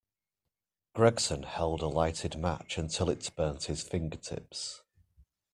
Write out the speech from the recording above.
Gregson held a lighted match until it burnt his fingertips.